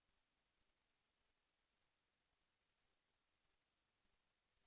เพราะว่าพี่เขาก็รู้ว่าเบียวค่อนข้างยุ่ง